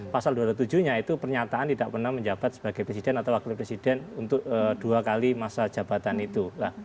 pasal dua ratus tujuh nya itu pernyataan tidak pernah menjabat sebagai presiden atau wakil presiden untuk dua kali masa jabatan itu